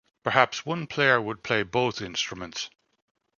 Perhaps one player would play both instruments.